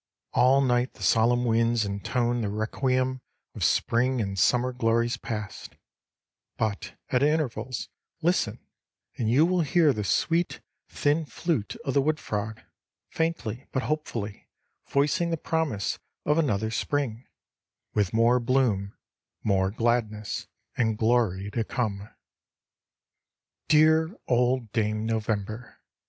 All night the solemn winds intone the requiem of Spring and Summer glories past, but at intervals listen and you will hear the sweet, thin flute of the wood frog, faintly but hopefully voicing the promise of another Spring, with more bloom, more gladness and glory to come. Dear old Dame November!